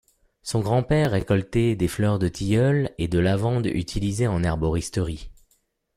Son grand-père récoltait les fleurs de tilleul et de lavande utilisées en herboristerie.